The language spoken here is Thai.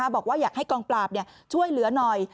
บอกว่าอยากให้กองปราบช่วยเหลือหน่อย